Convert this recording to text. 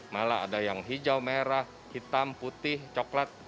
malah ada yang hijau merah hitam putih coklat